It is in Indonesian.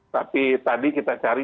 tapi tadi kita cari